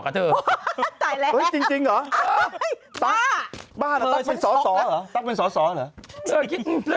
ตายแล้วจริงเหรอบ้าแล้วตั๊บเป็นซ้อหรือ